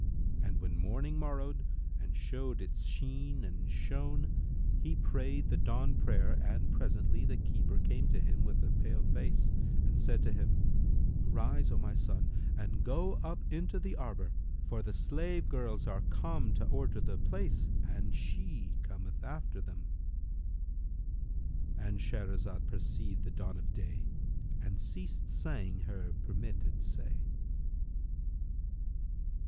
And when morning morrowed and showed its sheen and shone, he prayed the dawn prayer and presently the keeper came to him with a pale face, and said to him, "Rise, O my son, and go up into the arbour: for the slave girls are come to order the place, and she cometh after them;"—And Shahrazad perceived the dawn of day and ceased saying her permitted say.